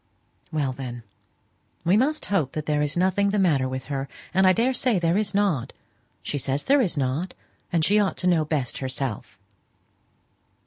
"Well, then we must hope that there is nothing the matter with her; and I daresay there is not. She says there is not, and she ought to know best herself."